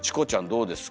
どうですか？